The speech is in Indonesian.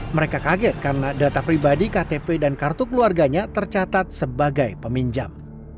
mereka kaget karena data pribadi ktp dan kartu keluarganya tercatat sebagai peminjam